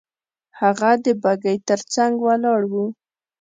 هغه د بګۍ تر څنګ ولاړ وو.